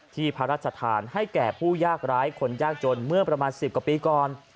พระราชทานให้แก่ผู้ยากร้ายคนยากจนเมื่อประมาณ๑๐กว่าปีก่อน